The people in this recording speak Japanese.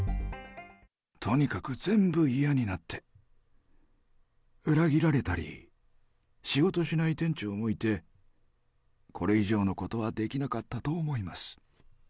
とにかく全部嫌になって、裏切られたり、仕事しない店長もいて、これ以上のことはできなかったと思います。